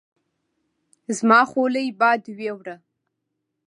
زما حولی باد ويوړه